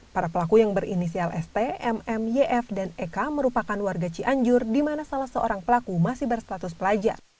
para pelaku yang berinisial st mm yf dan eka merupakan warga cianjur di mana salah seorang pelaku masih berstatus pelajar